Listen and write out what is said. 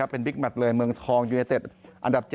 เป็นบิ๊กแมทเลยเมืองทองยูเนเต็ดอันดับ๗